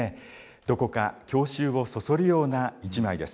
どこか郷愁をそそるような１枚です。